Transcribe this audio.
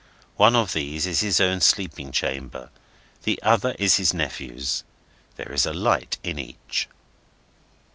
One of these is his own sleeping chamber: the other is his nephew's. There is a light in each.